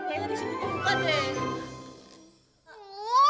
eh disini buka deh